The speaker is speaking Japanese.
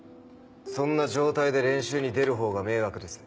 そんな状態で練習に出る方が迷惑です。